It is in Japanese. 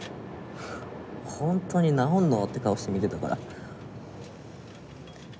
「本当に直るの？」って顔して見てたから。